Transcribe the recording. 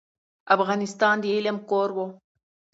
افغانستان د علم کور و.